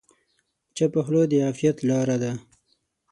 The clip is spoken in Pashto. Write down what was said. چپه خوله، د عافیت لاره ده.